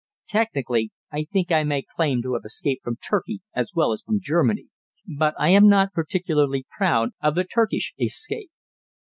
Technically, I think I may claim to have escaped from Turkey as well as from Germany, but I am not particularly proud of the Turkish escape.